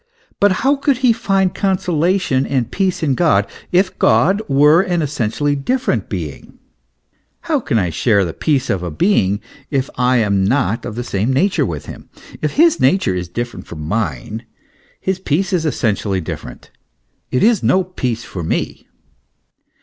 But how could he find consolation and peace in God, if God were an essentially different being ? How can I share the peace of a being if I am not of the same nature with him ? If his nature is different from mine, his peace is essentially different, it is no peace for me.